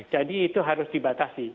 jadi itu harus dibatasi